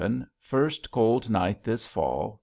first Colld night this fall.